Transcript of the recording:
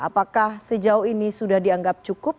apakah sejauh ini sudah dianggap cukup